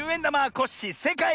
コッシーせいかい！